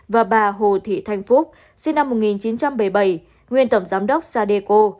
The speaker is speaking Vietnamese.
và bà hồ thị thanh phúc sinh năm một nghìn chín trăm bảy mươi bảy nguyên tổng giám đốc sadeco